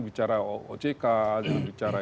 bicara ojk jangan bicara